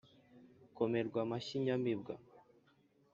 komerwa amashyi nyamibwa,